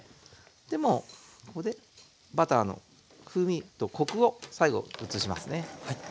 でもうここでバターの風味とコクを最後移しますね。